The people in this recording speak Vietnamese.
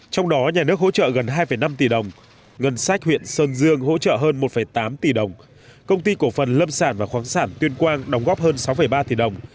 trong đó nhà nước hỗ trợ gần hai năm tỷ đồng ngân sách huyện sơn dương hỗ trợ hơn một tám tỷ đồng công ty cổ phần lâm sản và khoáng sản tuyên quang đóng góp hơn sáu ba tỷ đồng